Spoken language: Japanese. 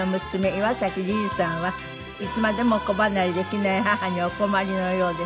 岩崎リズさんはいつまでも子離れできない母にお困りのようです。